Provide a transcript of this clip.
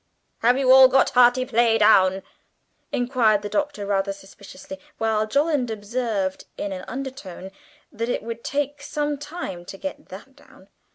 ('Have you all got "hearty play" down?'" inquired the Doctor rather suspiciously, while Jolland observed in an undertone that it would take some time to get that down.)